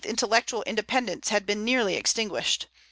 intellectual independence had been nearly extinguished.